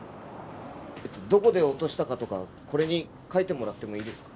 どこで落としたかとかこれに書いてもらってもいいですか？